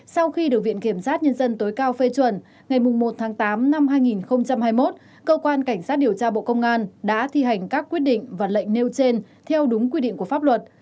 sau khi được viện kiểm sát nhân dân tối cao phê chuẩn ngày một tháng tám năm hai nghìn hai mươi một cơ quan cảnh sát điều tra bộ công an đã thi hành các quyết định và lệnh nêu trên theo đúng quy định của pháp luật